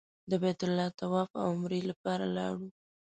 د بیت الله طواف او عمرې لپاره لاړو.